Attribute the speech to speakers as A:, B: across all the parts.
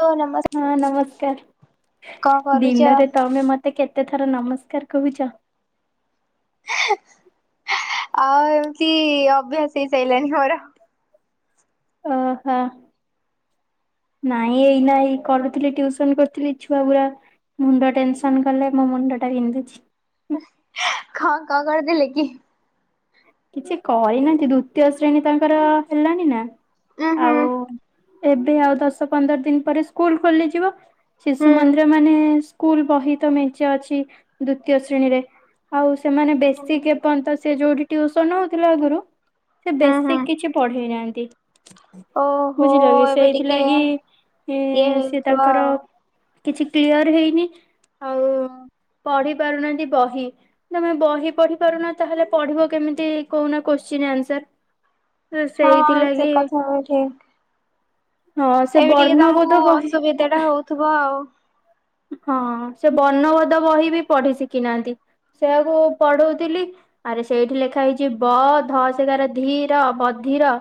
A: Hello ନମସ୍କାର
B: ହଁ ନମସ୍କାର
A: କଣ କରୁଛ?
B: ଦିନରେ ତମେ ମତେ କେତେ ତେ ଥର ନମସ୍କାର କହୁଛ
A: ଆଉ ଏମିତି ଅଭ୍ୟାସ ହେଇସାରିଲାଣିି ମୋର
B: ଓହୋ ନାଇଁ ଏଇ ନାଇଁ କରୁଥିଲି ଟ୍ୟୁସନ କରୁଥିଲି ଛୁଆ ଗୁଡା ମୁଣ୍ଡ ଟେନସନ କଲେ ମୋ ମୁଣ୍ଡ ଟା ପିନ୍ଧୁଛି
A: କ କ କରିଦେଲେ କି
B: କିଛି କରିନାହାନ୍ତି ଦ୍ଵିତୀୟ ଶ୍ରେଣୀ ତାଙ୍କର ହେଲାଣି ନା
A: ଉଁ ହୁଁ
B: ଆଉ ଏବେ ଆଉ ଦଶ ପନ୍ଦର ଦିନ ପରେ ସ୍କୁଲ ଖୋଲିଯିବ ଶିଶୁ ମନ୍ଦିର
A: ହୁଁ।
B: ମାନେ ସ୍କୁଲ ବହିତ ମେଚ ଅଛି ଦ୍ଵିତୀୟ ଶ୍ରେଣୀରେ ଆଉ ସେମାନେ ବେଶୀ କେପଯ୍ୟନ୍ତ ସେ ଯୋଉଠି ଟିୁସନ ହଉଥିଲା ଆ ଘରୁ ସେ
A: ହୁଁ ହୁଁ
B: ବେଶୀ କିଛି ପଢେଇ ନାହାନ୍ତି। ସେ
A: ଓହୋ ଏବେ ଟିକେ
B: ସେଇଥିଲାଗି ଏ
A: ଇଏ
B: ସେ
A: ହେଉଥିବ
B: ତାଙ୍କର
A: ଆଉ
B: କିଛି କ୍ଲିୟର ହେଇନି ଆଉ ପଢି ପାରୁନାହାନ୍ତି ବହି ତମେ ବହି ପଢି ପାରୁନ ତାହେଲେ ପଢିବ କେମିତି କହୁନା କୋଶ୍ଚିନ୍ ଆନ୍ସର
A: ହଁ ସେ
B: ସେଇଥିଲାଗି
A: କଥା ହ ଠିକ
B: ହଁ ସେ
A: ଏବେ ଟିକେ ତମକୁ
B: ବର୍ଣ୍ଣବୋଧ ବହି
A: ଅସୁବିଧା ଟା ହଉଥିବ ଆଉ
B: ହଁ ସେ ବର୍ଣ୍ଣଭୋଧ ବହି ବି ପଢି ଶିଖି ନାହାନ୍ତି ସେଆକୁ ପଢଉଥିଲି ଆରେ ସେଇଠି ଲେଖା ହେଇଛି ବ ଧ ସେ ଗ ଧିର ବଧିର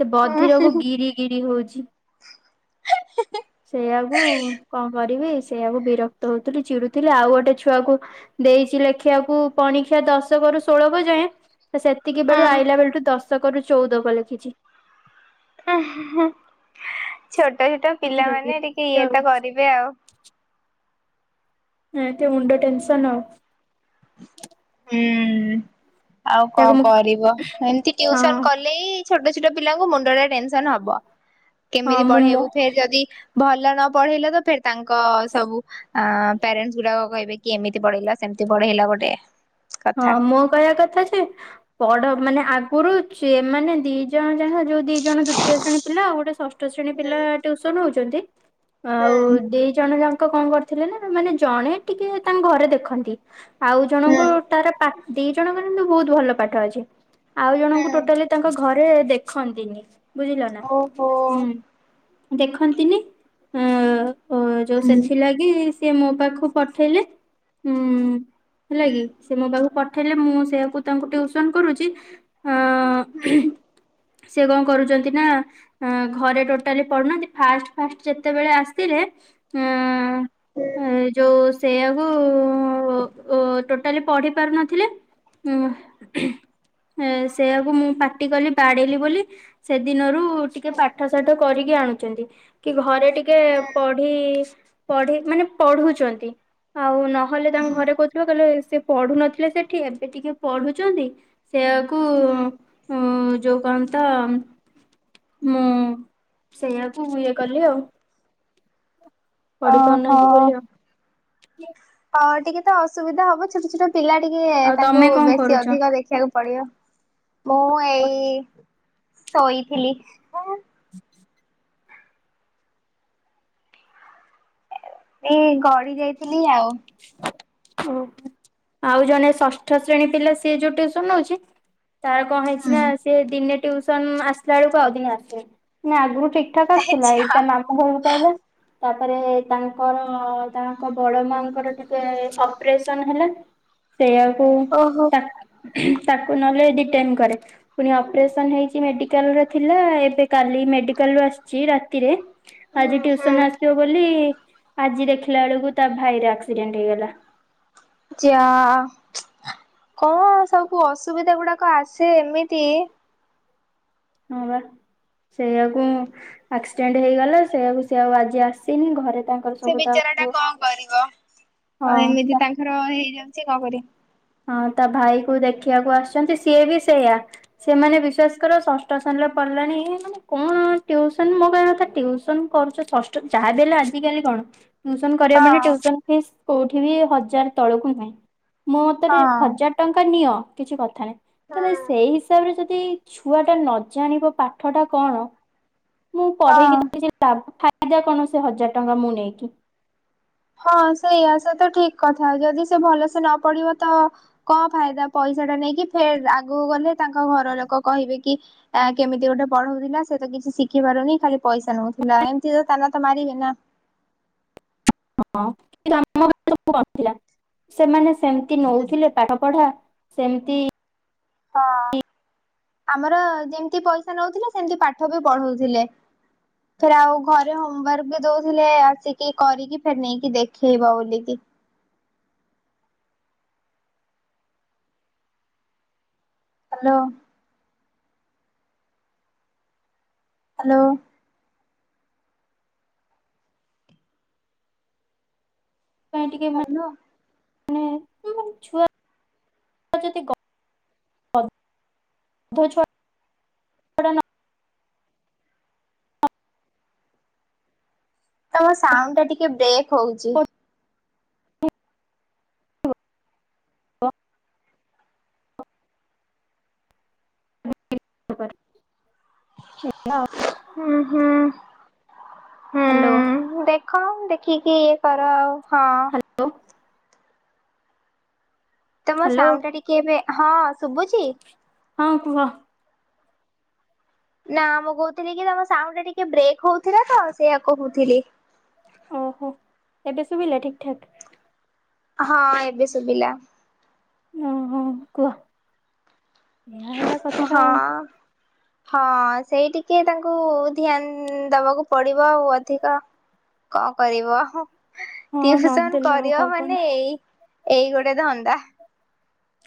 B: ସେ
A: ହୁଁ।
B: ବଧିରକୁ ଗିରି ଗିରି ହଉଛି, [unintelligible] ସେଇଆକୁ କଣ କରିବି ସେଇଆକୁ ବିରକ୍ତ ହଉଥିଲି ଚିଡୁଥିଲି ଆଉ ଗୋଟେ ଛୁଆକୁ ଦେଇଛି ଲେଖିଆକୁ ପଣିଖିଆ ଦଶକରୁୁ ଷୋଳ କ ଯାଏଁ ତ ସେତିକି
A: ହୁଁ
B: ବେଳ ଆଲା ବେଳଠୁ ଦଶ ଦଶକରୁୁ ଚଉଦକ ଲେଖିଛି,
A: ହ ଛୋଟ ଛୋଟ
B: ବୁଝିଲ କି
A: ପିଲାମାନେ ଟିକେ
B: ଏମିତି
A: ଇଏ
B: ଆଉ
A: ତ କରିବେ ଆଉ
B: ହ ତ ମୁଣ୍ଡ ଟେନ୍ସନ ହଉ [unintelligible]
A: ହୁଁ ଆଉ କଣ
B: ତାକୁ ମୁଁ
A: କରିବ ଏମତି
B: ହଁ
A: ଟ୍ୟଉସନ କଲେ ଛୋଟ ଛୋଟ ପିଲାଙ୍କୁ ମୁଣ୍ଡରେ ଟେନସନ ହବ
B: ହଁ
A: କେମିତି
B: ମୁଁ ମୋ
A: ପଢେଇବୁ ଫେର ଯଦି ଭଲ ନ ପଢେଇଲେ ତ ଫ ତାଙ୍କ ସବୁ ଅ ପ୍ୟାରେଣ୍ଟସ୍ ଗୁଡାକ କହିବେ ଏମିତି ବଢେଇଲା ସେମିତି ବଢେଇଲା ଗୋଟେ
B: ହଁ
A: କଥା।
B: ମୁଁ କହିବା କଥା ଯେ ବଡ ମାନେ ଆଗରୁମାନୋନେ ଦି ଜଣ ଯାହାୋଉ ଦି ଜଣ ଦ୍ୱିତୀୟ ଶ୍ରେଣୀ ପିଲାଉ ଗୋଟେ ଷଷ୍ ଶ୍ରେଣୀ ପିଲା ଟୁସନ ହଉଛି। ଛନ୍ତି ଆଉ ଦି ଜଣ ଯାଙ୍କ ଲ କଣ କରିୁଥିଲେ ନା ମାନେ ଜଣେ ଟିକେ ତାଙ୍କ ଘରେ ଦେଖନ୍ତି ଆଉ ଜଣଙ୍କୁ ଦି ଜଣଙ୍କ କିନ୍ତୁ ବହୁତ ଭଲ ପାଠ ଅଛି, ଆଉ ଜଣଙ୍କୁ ଟୋଟାଲି ତାଙ୍କ ଘରେ ରେ ଦେଖନ୍ତିନି, ବୁଝିଲ ନା। ହୁଁ
A: ଓହୋ-
B: ଦେଖନ୍ତିନି ହମଅ- ଓ ଯୋଉ
A: ହୁଁ
B: ସେଥିଲାଗି ସେ ମୋ ପାଖକୁ ପଠେଇଲେ, ହୁଁ ହେଲା କି ଖକୁ ପଠେଇଲେ ମୁଁ ସେଆକୁ ତାଙ୍କୁ ଟିଉସନ କରୁଛି ହଁ
A: ହୁଁ
B: ସେ କଣ କରୁଛନ୍ତି ନା ଘରେ ଟୋଟାଲି ପଡ଼ୁନାହାନ୍ତି ଫାଷ୍ଟ ଫାଷ୍ଟ ଯେତେବେଳେ ଆସିଲେ ଅଁ ହୁଁ ଯୋଉ ସେଇଆକୁ ମୁଁ ଓ ତ ଟୋଟାଲି ପଢି ପାରୁ ନଥିଲେ, ସେଆକୁ ମୁଁ ପାଟି କଲି ବାଡେଇଲି ବୋଲି ସେଦିନରୁ ଟିକେ ପାଠ ସାଠ କରିକି ଆଣୁ ଚନ୍ତି କି ଘରେ ଟିକେ ପଢି ପଢି ମାନେ ପଢୁଛନ୍ତି ଆଉ ନ ହଲେ ତାଙ୍କ ଘରେ କହୁଥିବ କହିଲେ ସେ ପଢୁ ନଥିଲେ ସେଠି ଏବେ ଟିକେ ପଢୁଛନ୍ତି ସେଆକୁ
A: ହୁଁ
B: ଯଉ କାମ ତ ମୁଁ ସେଇଆକୁ ଇଏ କଲି ଆଉ
A: ଓହୋ।
B: ହ
A: ଅ ଟିକେ ତ ଅସୁବିଧା ହବ ଛୋଟ ଛୋଟ ପିଲା ଟିକେ
B: ଆଉ
A: ତାଙ୍କୁ
B: ତମେ କଣ
A: ବେଶୀ
B: କରୁଛ?
A: ଅଧିକ ଦେଖିବାକୁ ପଡିବ ମୁଁ ଏଇ ଶୋଇଥିଲି। ଏଇ ଗଡି ଯାଇଥିଲି ଆଉ।
B: ଉହୁଁ ଆଉ ଜଣେ ଷଷ୍ଠ ଶ୍ରେଣୀ ପିଲା ସିଏ ଯୋଉ ଟ୍ୟୁସନ ହଉଛି। ତାର କଣ ହେଇଛି
A: ହୁଁ।
B: ନା ସେ ଦିନେ ଟ୍ୟୁସନ ଆସିଲା ବେଳକୁ ଆଉ ଦିନ ଆସନି ନା ଆଗରୁ ଠିକଠାକ ଆସୁଥିଲା ଏଇତ ମାମୁଁ ଘରକୁ ପଳେଇଲା। ତାପରେ ତାଙ୍କର ତାଙ୍କ ବଡ ମାଙ୍କୁ ର ଟିକେ ଅପରେସନ ହେଲା। ସେଇଆକୁ
A: ଓହୋ
B: ତା ତାକୁ ନହଲେ ଦି ଟାଇମ କରେ ପୁଣି ଅପରେସନ ହେଇଛି ମେଡିକାଲ ର ଥିଲା ଏବେ କାଲି ମେଡିକାଲ ରୁ ଆସିଛି ରାତିରେ ଆଜି
A: ହୁଁ
B: ଟ୍ୟୁସନ
A: ହୁଁ।
B: ଆସିବ ବୋଲି ଆଜି ଦେଖିଲା ବେଳକୁ ତା ଭାଇରେ ଆକ୍ସି ଡେଣ୍ଟ ହେଇଗଲା।
A: ହଁ ଅ ସବୁ ଅସୁବିଧା ଗୁଡାକ ଆସେ ଏମିତି
B: ହଁ ବା ସେଇଆକୁ ଆକ୍ସିଡେଣ୍ଟ ହେଇଗଲା ସେଇଆକୁ ସେଆଉ ଆଜି ଆସିନି ଘରେ ତାଙ୍କର
A: ସେ
B: ସବୁ
A: ବିଚାର ଟା
B: ତାକୁ
A: କଣ କରିବ।
B: ହଁ
A: ଆଉ ଏମିତି
B: ତା
A: ତାଙ୍କର ହେଇଯାଉଛି କଣ କରିବ।
B: ହଁ ତା ଭାଇ କୁ ଦେଖିବାକୁ ଆସିଛନ୍ତି ସିଏ ବି ସେଇୟା ସେମାନେ ବିଶ୍ଵାସ କର ଷଷ୍ଠ ଶ୍ରେଣୀରେ ପଢ଼ିଲେଣି ମାନେ କଣ ଟ୍ୟୁସନ ମୋ କହିବା କଥା ଟ୍ୟୁସନ କରୁଛ ଷଷ୍ଠ ଯାହା ବି ହେଲେ ଆଜିକାଲି କଣ ଟ୍ୟୁସନ କରିବା ମାନେ
A: ହଁ
B: ଟ୍ୟୁସନ୍ ଫିସ୍ କୋଉଠି ବି ହଜାର ତଳକୁ ନାହିଁ ମୁଁ ଆରେ
A: ହଁ
B: ହଜାର ଟଙ୍କା ନିଅ। କିଛି କଥା ନାଇଁ ତାହେଲେ
A: ହଁ।
B: ସେଇ ହିସାବରେ ଯଦି ସେଇ ଛୁଆ ଟା ନଜାଣିବ ପାଠ ଟା କଣ ମୁଁ ପଢେଇକି
A: ହଁ
B: ତ କିଛି ଲାଭ ଫା ହବ କଣ ସେ ହଜାର ଟଙ୍କା ମୁଁ ନେଇକି।
A: ହଁ ସେଇଆା ସେ ତ ଠିକ କଥା, ଯଦି ସେ ଭଲସେ ନ ପଢିବ ତ କଣ ଫାଇଦା ପଇସା ଟା ନେଇକି, ଫେର୍ ଆଗକୁ ଗଲେ ତାଙ୍କ ଘର ଲୋକ କହିବେ କି ଏ କେମିତି ଗୋଟେ ପଢଉଥିଲା ସେ ତ କିଛି ଶିଖି ପାରୁନି ଖାଲି ପଇସା ନଉଥିଲା, ଏମିତି ତ ତାନା ତ ମାରିବେ ନା।
B: ହଁ କିନ୍ତୁ ଆମର [inaudible] ନଥିଲା, ସେମାନେ ସେମିତି ନଉଥିଲେ ପାଠ ପଢା ସେମିତି
A: ହଁ ଆମର ଯେମିତି ପଇସା ନଉଥିଲେ ସେମିତି ପାଠ ବି ପଢଉଥିଲେ, ଫେର୍ ଆଉ ଘରେ ହୋମ ୱାର୍କ ବି ଦଉଥିଲେ ଆସିକି କରିକି ଫେର୍ ନେଇକି ଦେଖେଇବ ବୋଲିକି। ହ୍ୟାଲୋ। ହ୍ୟାଲୋ।
B: ପାଇଁ ଟିକେ
A: ହାଲୋ।
B: ମାନେ ଏଇ ମାନେ ଛୁଆ [inaudible] ଗଧ ଛୁଆ [inaudible]
A: ତୋମ ସାଉଣ୍ଡ ଟା ଟିକେ ବ୍ରେକ୍ ହଉଚି।
B: [inaudible]
A: ହୁଁ, ହୁଁ,
B: ହ୍ୟାଲୋ।
A: କଣ ଦେଖିକି ଇଏ କର। ହଁ।
B: ହ୍ୟାଲୋ
A: ତୋମ
B: ହ୍ୟାଲୋ
A: ସାଉଣ୍ଡ ଟା ଟିକେ ଏବେ ହଁ। ଶୁଭୁଚି?
B: ହଁ କୁହ।
A: ନା ମୁଁ କହୁଥିଲି କି ତୋମ ସାଉଣ୍ଡଟା ଟିକେ ବ୍ରେକ୍ ହଉଥିଲା ତ ସେଇୟା କହୁଥିଲି।
B: ଓହୋ ଏବେ ଶୁଭିଲା ଠିକ ଠାକ?
A: ହଁ ଏବେ ଶୁଭିଲା।
B: ଓ ହଁ କୁହ। ଏହା ହେଲା କଥା
A: ହଁ।
B: ଆଉ
A: ହଁ ସେଇ ଟିକେ ତାଙ୍କୁ ଧ୍ୟାନ ଦବାକୁ ପଡିବ ଆଉ ଅଧିକ କଣ କରିବ,
B: ହଁ
A: ଟିଉସନ୍
B: ନଦେଲେ ଆଉ
A: କରିବ
B: ହବନି।
A: ମାନେ ଏଇ ଏଇ ଗୋଟେ ଧନ୍ ବାଃ!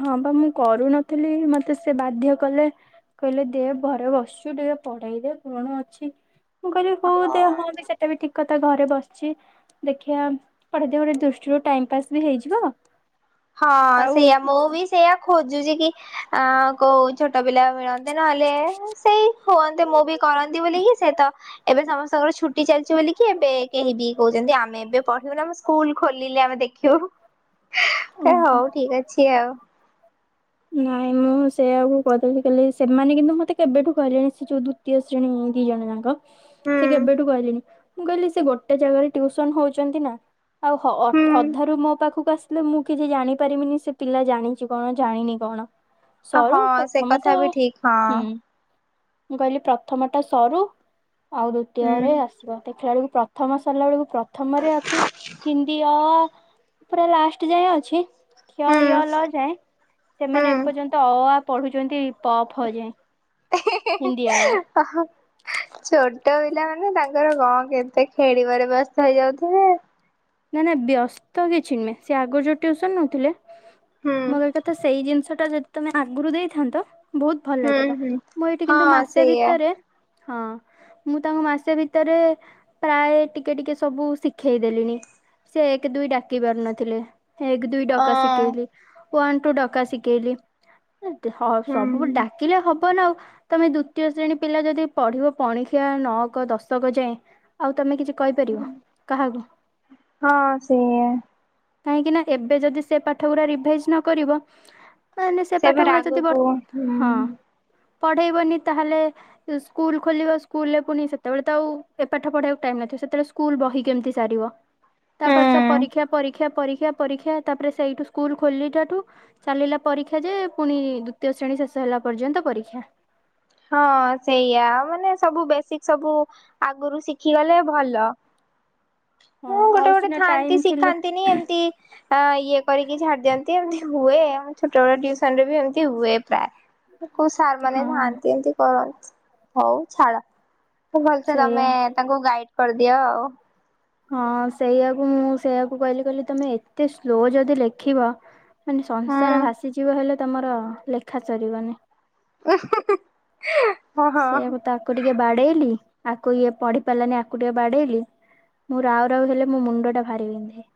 B: ହଁ ବା ମୁଁ କରୁନଥିଲି ମୋତେ ସେ ବାଧ୍ୟ କଲେ କହିଲେ ଦେ ଘରେ ବସଛୁ ଟିକେ ପଢେଇ ଦେ କଣ ଅଛି। ମୁଁ କହିଲି ହଉ ଦେ ହଁ ବି ସେଟା ବି ଠିକ କ ତ ଘରେ ବସିଛି ଦେଖିବା ପଢେଇ ଦେବି ଗୋଟେ ଦୃଷ୍ଟିରୁ ଟାଇମ୍ ପାସ୍ ବି ହେଇଯିବ।
A: ହଁ
B: ଆଉ
A: ସେଇଆ ମୁଁ ବି ସେଇଆ ଖୋଜୁଚି କି ଆଁ, କୋଉ ଛୋଟ ପିଲା ମିଳନ୍ତେ ନହେଲେ ସେଇ ହୁଅନ୍ତେ ମୁଁ ବି କରନ୍ତି ବୋଲିକି ସେ ତ ଏବେ ସମସ୍ ତାଙ୍କର ଛୁଟି ଚାଲିଚି ବୋଲିକି ଏବେ କେହି ବି କହୁଚନ୍ତି ଆମେ ଏବେ ପଢିବୁ ନା ଆମ ସ୍କୁଲ୍ ଖୋଲିଲେ ଆମେ ଦେଖିବୁ। ସେ ହଉ
B: ଓହୋ।
A: ଠିକ ଅଛି ଆଉ।
B: ନାଇଁ ମୁଁ ସେଇଆକୁ କହିଦେଲି କାଲି ସେମାନେ କିନ୍ତୁ ମତେ କେବେଠୁ କହିଲେଣି ସେ ଯୋଉ ଦ୍ଵିତୀୟ ଶ୍ରେଣୀ ଦି ଜଣ ଯାଙ୍କ।
A: ହୁଁ
B: ସେ କେବେଠୁ କହିଲେଣି। ମୁଁ କହିଲି ସେ ଗୋଟେ ଜାଗାରେ ଟିଉସନ ହଉଛନ୍ତି ନା। ଆଉ
A: ହୁଁ
B: ଅଧାରୁୁ ମୋ ପାଖକୁ ଆସ ମ ମୁଁ କିଛି ଜାଣିପାରିବିନି ସେ ପିଲା ଜାଣିଛି କଣ ଜାଣିନି କଣ? ସରୁ
A: ହଁ ସେ
B: ପ୍ରଥମ ତ
A: କଥା ବି ଠିକ
B: ହୁଁ
A: ହଁ।
B: ମୁଁ କହିଲି ପ୍ରଥମଟା ସରୁ ଆଉ
A: ହୁଁ
B: ଦ୍ଵିତୀୟରେ ଆସିବ ସେ ଖେଳିକି ପ୍ରଥମ ସରିଲା ବେଳକୁ ପ୍ରଥମରେ ଅଛି ହିନ୍ଦୀ ଅ ଆ। ପୁରା ଲାଷ୍ଟ ଯାଏ ଅଛି। କ୍ଷ, ୟ,
A: ହୁଁ
B: ଲ ଯାଏ। ସେମାନେ ଏପର୍ଯ୍ୟନ୍ତ ଅ ଆ ପଢୁଛନ୍ତି ପ ଫ ଯାଏ।
A: ଛୋଟ ପିଲା। ତାଙ୍କର କଣ କେତେ ଖେଳିବାରେ ବ୍ୟସ୍ତ ହେଇଯାଉଥିବେ।
B: ନାଇଁ ନା ବ୍ୟସ୍ତ କିଛି ନୁହେଁ ସେ ଆଗରୁ ଯୋଉ ଟିଉସନ ହୋଉଥିଲେ।
A: ହୁଁ
B: ମୁଁ କହିଲି କଥା ସେଇ ଜିନିଷ। ଟା ଯଦି ତମେ ଆଗରୁ ଦେଇଥାନ୍ତ। ବହୁତ ଭଲ
A: ହୁଁ
B: ଲଇଥା ତା
A: ହୁଁ
B: ମୁଁ ଏଇଠି କିନ୍ତୁ
A: ହଁ
B: ମାସେ
A: ସେଇଆ
B: ଭିତରେ। ହଁ ମୁଁ ତାଙ୍କ ମାସେ ଭିତରେ ପ୍ରାୟ ଟିକେ ଟିକେ ସବୁ ଶିଖେଇ ଦେଲିଣି। ସେ ଏକ ଦୁଇ ଡାକି ପାରୁ ନଥିଲେ। ଏକ ଦୁଇ ଟକା
A: ଅଁ
B: ଶିକେଇିଲ। ଓ୍ବାନ ଟୁ ଡକା ଶିଖେଇଲି। ସବୁବେ
A: ହୁଁ
B: ଡାକିଲେ ହବ ନା ଆଉ। ତମେ ଦ୍ଵିତୀୟ ଶ୍ରେଣୀ ପିଲା ଯଦି ପଢିବ ପଣିଖିଆ ନଅକ ଦଶକ ଯାଏଁ ଆଉ ତମେ କିଛି କହିପାରିବ କାହାକୁ।
A: ହଁ ସେଇଆ।
B: କାହିଁକି ନା ଏବେ ଯଦି ସେ ପାଠ ଗୁଡା ରିଭାଇଜ ନ କରିବ। ମାନେ ସେ
A: ସେବେ
B: ପାଠ ଗୁରା ଯଦି ବର୍
A: ଆଗକୁ ହୁଁ।
B: ହଁ ପଢେଇବନି ତାହଲେ ସ୍କୁଲ ଖୋଲିବ ସ୍କୁଲରେ ପୁଣି ସେତେବେଳେ ତ ଆଉ ଏ ପାଠ ପଢେଇବାକୁ ଟାଇମ୍ ନଥିବ ସେତେବେଳେ ସ୍କୁଲ ବହି କେମିତି ସାରିବ।
A: ହୁଁ
B: ତାପରେ ତ ପରୀକ୍ଷା ପରୀକ୍ଷା ପରୀକ୍ଷା ପରୀକ୍ଷା ତାପରେ ସେଇଠୁ ସ୍କୁଲ ଖୋଲିଲଠୁ ଚାଲିଲା ପରୀକ୍ଷା ଯେ ପୁଣି ଦ୍ଵିତୀୟ ଶ୍ରେଣୀ ଶେଷ ହେଲା ପର୍ଯ୍ୟନ୍ତ ପରୀକ୍ଷା।
A: ହଁ ସେଇଆ ମାନେ ସବୁ ବେସିକ ସବୁ। ଆଗରୁ ଶିଖିଗଲେ ଭଲ।
B: ହଁ
A: ହୁଁ
B: ଆଉ
A: ଗୋଟେ ଗୋଟେ
B: ସିନା ଟାଇମ
A: ଥାଆନ୍ତି
B: ଥିଲେ
A: ଶିଖାନ୍ତିନି ଏମିତି ଅ ଇଏ କରିକି ଛାଡି ଦିଅନ୍ତି ଏମତି। ହୁଏ, ଆମ ଛୋଟବେଳ ଟିଉସନରେ ବି ଏମିତି ହୁଏ ପ୍ରାୟ। କୋଉ ସାରମାନେ
B: ହଁ
A: ନାନ୍ [inaudible] କର୍ ହଉ ଛାଡ। [inaudible] ଭଲସେ
B: ସେଇଆ
A: ତମେ ତାଙ୍କୁ ଗାଇଡ୍ କରିଦିଅ ଆଉ।
B: ହଁ ସେଇଆକୁ ମୁଁ ସେଇଆକୁ କହିଲି କହିଲି ତମେ ଏତେ ସ୍ଲୋ ଯଦି ଲେଖିବ। ମାନେ ସଂସାର
A: ହୁଁ
B: ଭାସିଯିବ ହେଲେ ତମର ଲେଖା ସରିବନି।
A: ହୁଁହୁଁହୁଁ [unintelligible]
B: ସେଇଆ ମୁଁ ତାକୁ ଟିକେ ବାଡେଇଲି। ଆକୁ ଇଏ ପଢି ପାରିଲାନି ଆକୁ ଟିକେ ବାଡେଇଲି ମୁଁ ରାଉରାଉ ହେଲେ ମୋ ମୁଣ୍ଡଟା ଭାରି ବିନ୍ଧେ।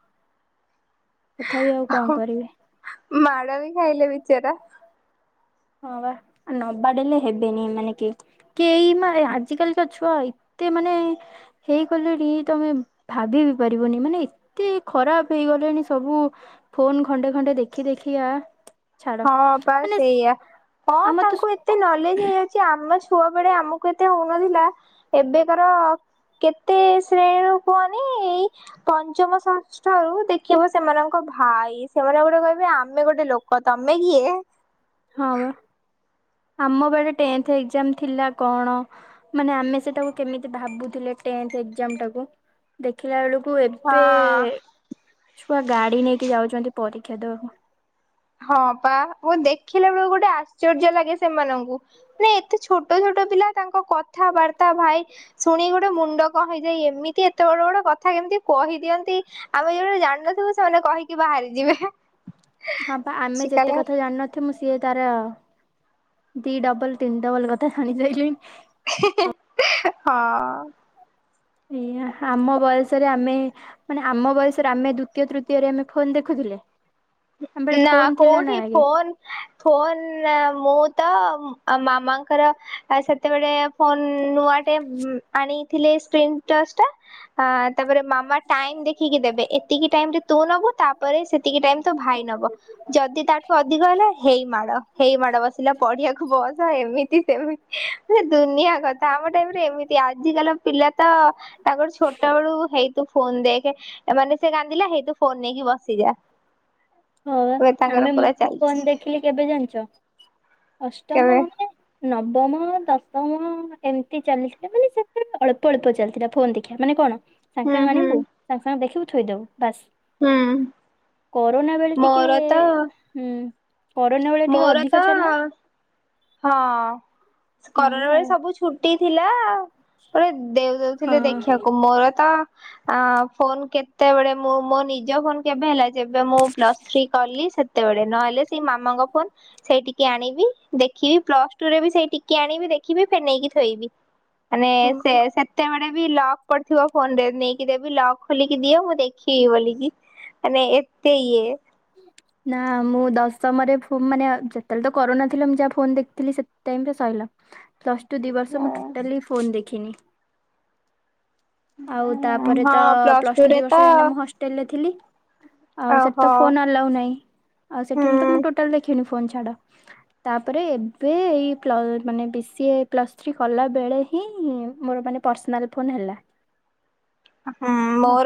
B: ତଥାପି ଆଉ କଣ କରିବି
A: [unintelligible] ମାଡ଼ ବି ଖାଇଲେ ବିଚାରା।
B: ହଁ ବା, ନ ବାଡେଇଲେେ ହେବେେନି ଏମାନେ କିଏ। କେହି ମା ଆଜିିକାଲିିକା ଛୁଆଇ ଏତେ ମାନେ ହେଇଗଲେଣି ତମେ ଭାବି ବି ପାରିବନି ମାନେ ଏତେ ଖରାପ ହେଇଗଲେଣି ସବୁ ଫୋନ୍ ଖଣ୍ଡେ ଖଣ୍ଡେ ଦେଖି ଦେଖିଆ ଛାଡ
A: ହଁ ପା
B: ମାନେ
A: ସେଇଆ ହଁ
B: ଆମର ତ
A: ତାଙ୍କୁ ଏତେ ନଲେଜ ହେଇଯାଇଛି ଆମ୍ ଆମ ଛୁଆବେଳେ ଆମକୁ ଏତେ ହଉନଥିଲା ଏବେକାର କେତେ ଶ୍ରେଣୀରୁ କୁହନି ଏଇ ପଞ୍ଚମ ଷଷ୍ଠରୁ ଦେଖିବ ସେମାନଙ୍କ ଭାଇ ସେମାନେ ଗୋଟେ କହିବେ ଆମେ ଗୋଟେ ଲୋକ କ ତମେ କିଏ?
B: ହଁ ପା, ଆମବେଳେ ଟେନଥ୍‌ ଏକ୍ଜାମ୍ ଥିଲା କଅଣ, ମାନେ ଆମେ ସେଟାକୁ କେମିତି ଭାବୁଥିଲେ ଟେନଥ୍ ଏକ୍ଜାମଟାକୁ ଦେଖିଲା ବେଳୁ କୁ ଏବେେ
A: ହଁ।
B: [unintelligible] ଗାଡି ନେଇକି ଯାଉଛନ୍ତି ପରୀ [unintelligible]
A: ହଁ ପା ମୁଁ ଦେଖ୍ ଦେଖିଲା ବେଳକୁ ଗୋଟେ ଆଶ୍ଚର୍ଯ୍ୟ ଲାଗେ ସେମାନଙ୍କୁ, ମାନେ ଏତେ ଛୋଟ ଛୋଟ ପିଲା ତାଙ୍କ କଥାବାର୍ତ୍ତା ଭାଇ ଶୁଣି ଗୋଟେ ମୁଣ୍ଡ କଣ ହେଇଯାଏ ଏମିତି ଏତେ ବଡ ବଡ କଥା କେମିତି କହିଦିଅନ୍ତି ଆମେ ଯୋଉଗୁଡା ଜାଣିନଥିବୁ ସେମାନେ କହିକି ବାହାରି ଯିବେ।
B: ହଁ ପା ଆମେ ଯେତେ
A: ଶିକାଲା
B: କଥା ଜାଣିନଥିମୁ ସିଏ ତାର ଦି ଡବଲ ତିନି ଡବଲ କଥା ଜାଣିସାରିଲେଣି
A: ହେଁ ହେଁ ହେଁ ହଅ
B: ଏ ଆମ ବୟସରେ ଆମେ ମାନେ ଆମ ବୟସରେ ଆମେ ଦୁତୀୟ ତୃତୀୟରେ ଆମେ ଫୋନ୍ ଦେଖୁଥିଲେ? ଆମ ବେଳେ
A: ନା
B: ଫୋନ ଥିଲା ନା
A: କୋଉଠି
B: ଆଗେ
A: ଫୋନ୍ ଫୋନ୍ ମୁଁ ତ ମାମାଙ୍କର ସେତେବେଳେ ଫୋନ୍ ନୂଆଟେ ଆଣିଥିଲେ ସ୍କ୍ରିନ୍ ଟଚଟା ଆଁ ତାପରେ ମାମା ଟାଇମ୍ ଦେଖିକି ଦେବେ ଏତିକି ଟାଇମରେ ତୁ ନବୁ ତାପରେ ସେତିକି ଟାଇମ୍ ହେଲା ହେଇ ମାଡ ହେଇ ମାଡ ବସିଲା ପଢିବାକୁ ବସ ଏମିତି ସେମିତି ଦୁନିଆ [inaudible] କଥା ଆମ ଟାଇମରେ ଏମିତି, ଆଜିିକାଲି ପିଲାତ ତାଙ୍କର ଛୋଟବେଳୁ ହେଇ ତୋ ଫୋନ ଦେଖ ମାନେ ସେ ରାନ୍ଦିଲା ସେଇତୁ ଫୋନ ନେଇକି ବସିଯା
B: ହଁ
A: ଏବେ
B: ମ୍ବା
A: ତାଙ୍କର
B: ଆମେ
A: ପୁରା
B: ମୁଁ ଫୋନ
A: ଚାଲିଛି
B: ଦେଖିଲି କେବେ ଜାଣିଛ ଅଷ୍ଟମ
A: କେବେ
B: ମାନେ ନବ ନବମ ଦଶମ ଏମିତି ଚାଲିଥିଲା ମାନେ ସେତେଳେ ଅଳ୍ପ ଅଳ୍ପ ଚାଲିଥିଲା ଫୋନ୍ ଦେଖିବା ମାନେ କଣ ସାଙ୍ଗେ
A: ହୁଁ
B: ସାଙ୍ଗେ
A: ହୁଁ
B: ଆଣିବୁ ସାଙ୍ଗେ ସାଙ୍ଗେ ଦେଖିବୁ ଥୋଇଦବୁ ବାସ୍
A: ହୁଁ
B: କରୋନା ବେଳେ ଟିକେ
A: ମୋର ତ
B: ହୁଁ କରୋନା ବେଳେ ଟିକେ
A: ମୋର
B: ଅଧିକ
A: ତ
B: ଚାଲିଲା
A: ହଁ। କରୋନା
B: ଏଇଆ
A: ବେଳେ
B: ଆଉ।
A: ସବୁ ଛୁଟ ଟି ଥିଲା ଆଉ ପୁରା ଦେଉ ଦଉଥିଲେ
B: ହଁ
A: ଦେଖିବାକୁ ମୋର ତ ଆ ଫୋନ କେତେବେଳେ ମୁଁ ମୋ ନିଜ ଫୋନ କେବେ ହେଲା? ଯେବେ ମୁଁ ପ୍ଲସ ଥ୍ରୀ କଲି ସେତେବେଳେ ନହେଲେ ସେଇ ମାମାଙ୍କ ଫୋନ ସେଇ ଟିକେ ଆଣିବି। ଦେଖିବି। ପ୍ଲସଟୁ ରେ ବି ସେଇ ଟିକି ଆଣିବି ଦେଖିବି ଫେର୍ ନେଇକି ଥୋଇବି। ମାନେ ସେ
B: ଓହୋ।
A: ସେତେବେଳେ ବି ଲକ୍ ପଡିଥିବ ଫୋନରେ। ନେଇକି ଦେବି ଲକ୍ ଖୋଲିକି ଦିଅ ମୁଁ ଦେଖିବି ବୋଲିକି। ମାନେ ଏତେ ଇଏ
B: ନା ମୁଁ ଦଶମରେ ମାନେ ଯେତେବେଳେ ତ କରୋନା ଥିଲା ମୁଁ ଯାହା ଫୋନ ଦେଖିଥିଲି ସେ ଟାଇରେ ସଇଲା। ପ୍ଲସ୍ ଟୁ ଦି ବର୍ଷ ମୁଁ ଟୋଟାଲି ଫୋନ ଦେଖି ଦେଖିନି। ଆଉ ତାପରେ ତ ପ୍ଲସ ଟୁ ଦି ବର୍ଷ ଏଇନା ନାଁ ମୁଁ ହଷ୍ଟେଲ ରେ ଥିଲି।
A: ଆଉ
B: ସେଠି ତ
A: ହୋ।
B: ଫୋନ ଆଲାଉ ନାହିଁ। ଆଉ ସେଠି ମୁଁ ତ ମୁଁ ଟୋଟାଲି ଦେଖିନି ଫୋନ୍ ଛାଡ। ତାପରେ ଏବେ ଏଇ ପ୍ଲ ମାନେ B C A plus three କଲାବେଳେ ହିଁ ମୋର ମାନେ ପର୍ସନାଲ ଫୋନ୍ ହେଲା।
A: ହୁଁ ମୋର